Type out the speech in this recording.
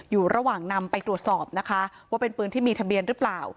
อยู่ระหว่างนำไปตรวจสอบนะคะว่าเป็นปืนที่มีทะเบียนหรือเปล่า